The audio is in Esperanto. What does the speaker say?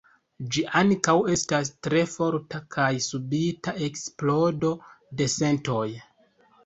Ĝi ankaŭ estas tre forta kaj subita eksplodo de sentoj.